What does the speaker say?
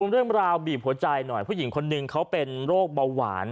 เรื่องราวบีบหัวใจหน่อยผู้หญิงคนหนึ่งเขาเป็นโรคเบาหวาน